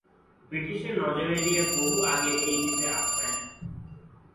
ব্রিটিশের নজর এড়িয়ে বহু আগে এই দ্বীপে আশ্রয় নেন।